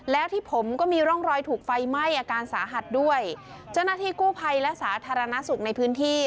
แล้วที่ผมก็มีร่องรอยถูกไฟไหม้อาการสาหัสด้วยเจ้าหน้าที่กู้ภัยและสาธารณสุขในพื้นที่